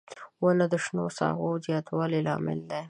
• ونه د شنو ساحو زیاتوالي لامل دی.